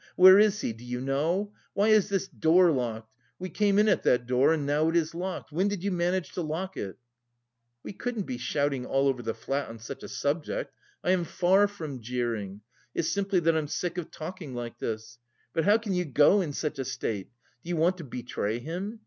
Where is he? Do you know? Why is this door locked? We came in at that door and now it is locked. When did you manage to lock it?" "We couldn't be shouting all over the flat on such a subject. I am far from jeering; it's simply that I'm sick of talking like this. But how can you go in such a state? Do you want to betray him?